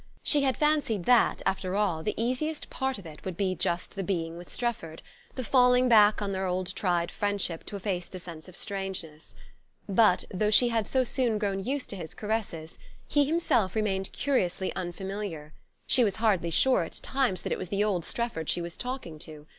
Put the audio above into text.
She had fancied that, after all, the easiest part of it would be just the being with Strefford the falling back on their old tried friendship to efface the sense of strangeness. But, though she had so soon grown used to his caresses, he himself remained curiously unfamiliar: she was hardly sure, at times, that it was the old Strefford she was talking to.